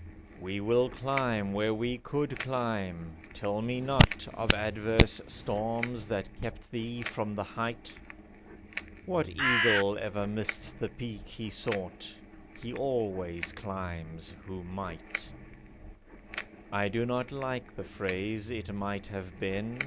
We will climb where we could climb. Tell me not Of adverse storms that kept thee from the height. What eagle ever missed the peak he sought? He always climbs who might. I do not like the phrase, "It might have been!"